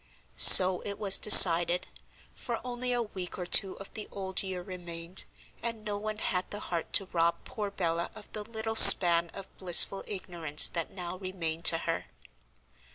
So it was decided; for only a week or two of the old year remained, and no one had the heart to rob poor Bella of the little span of blissful ignorance that now remained to her.